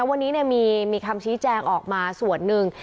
วันนี้มีคำชี้แจงออกมาส่วนหนึ่ง